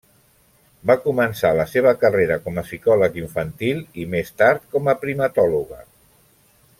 Va començar la seva carrera com a psicòleg infantil i més tard com a primatòloga.